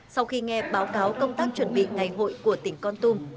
sau khi nghe báo cáo công tác chuẩn bị ngày hội của tỉnh con tum